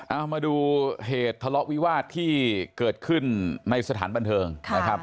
เอามาดูเหตุทะเลาะวิวาสที่เกิดขึ้นในสถานบันเทิงนะครับ